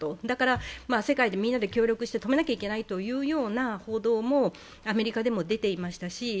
だから、世界でみんなで協力して止めなきゃいけないという報道もアメリカでも出ていまたし。